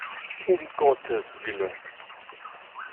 Um Gottes Willen!